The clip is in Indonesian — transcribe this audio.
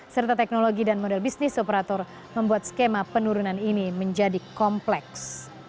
serta teknologi dan model bisnis operator membuat skema penurunan ini menjadi kompleks